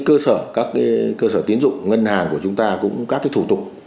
các cơ sở tiến dụng ngân hàng của chúng ta cũng có các thủ tục